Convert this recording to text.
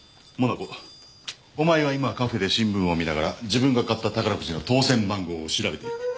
モナコお前は今カフェで新聞を見ながら自分が買った宝くじの当選番号を調べている。